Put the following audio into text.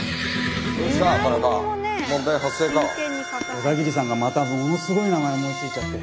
小田切さんがまたものすごい名前思いついちゃって。